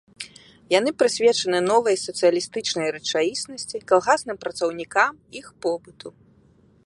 Яны прысвечаны новай сацыялістычнай рэчаіснасці, калгасным працаўнікам, іх побыту.